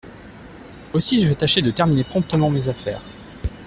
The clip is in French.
Aussi je vais tâcher de terminer promptement mes affaires !